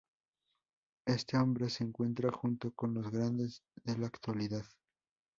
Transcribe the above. Este hombre se encuentra, junto con los grandes de la actualidad.